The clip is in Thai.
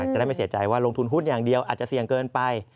จะได้ไม่เสียใจว่าลงทุนหุ้นอย่างเดียวอาจจะเสี่ยงเกินไป